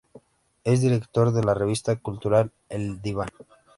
Es director de la revista cultural El Diván.